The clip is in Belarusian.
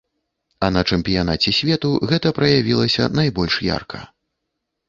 А на чэмпіянаце свету гэта праявілася найбольш ярка.